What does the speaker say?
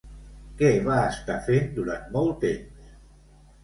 Què va estar fent durant molt temps?